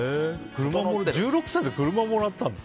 １６歳で車もらったの？